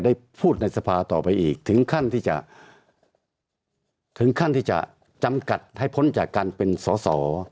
ได้พูดในสภาต่อไปอีกถึงขั้นที่จะถึงขั้นที่จะจำกัดให้พ้นจากการเป็นสอสอ